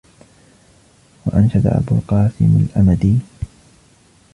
وَأَنْشَدَ أَبُو الْقَاسِمِ الْآمِدِيُّ